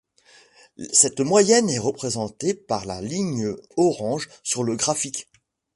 Cette moyenne est représentée par la ligne orange sur le graphique.